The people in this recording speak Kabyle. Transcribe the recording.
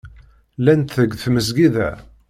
Llant deg tmesgida.